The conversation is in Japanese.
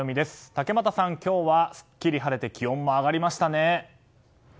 竹俣さん、今日はすっきり晴れて気温も上がりましたね。